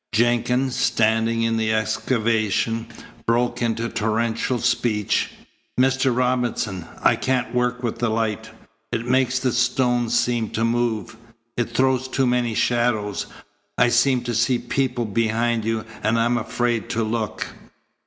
Jenkins, standing in the excavation, broke into torrential speech. "Mr. Robinson! I can't work with the light. It makes the stones seem to move. It throws too many shadows. I seem to see people behind you, and I'm afraid to look."